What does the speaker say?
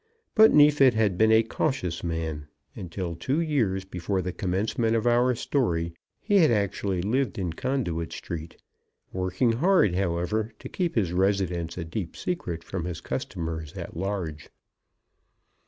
But Neefit had been a cautious man, and till two years before the commencement of our story, he had actually lived in Conduit Street, working hard, however, to keep his residence a deep secret from his customers at large.